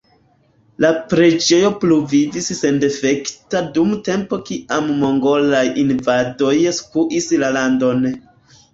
La preĝejo pluvivis sendifekta dum tempo kiam mongolaj invadoj skuis la landon.